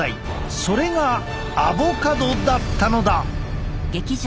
それがアボカドだったのだ！